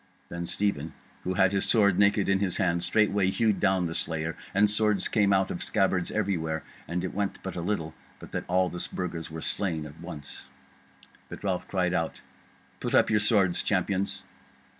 Then Stephen, who had his sword naked in his hand, straightway hewed down the slayer, and swords came out of the scabbards everywhere; and it went but a little but that all the Burgers were slain at once. But Ralph cried out: "Put up your swords, Champions!